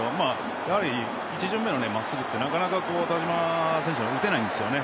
やはり、１巡目のまっすぐはなかなか田嶋選手打てないんですね。